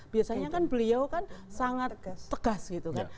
biasanya kan beliau kan sangat tegas gitu kan